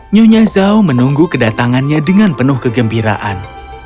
nyonya zhao menunggu kedatangannya dengan penuh kegembiraan